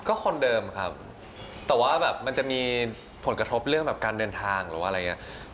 ก็คนเดิมครับแต่ว่าแบบมันจะมีผลกระทบเรื่องแบบการเดินทางหรือว่าอะไรอย่างนี้